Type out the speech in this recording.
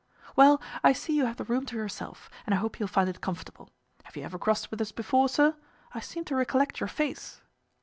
"Well, I see you have the room to yourself, and I hope you will find it comfortable. Have you ever crossed with us before, sir? I seem to recollect your face."